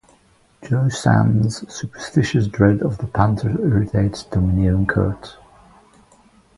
Joe Sam's superstitious dread of the panther irritates domineering Curt.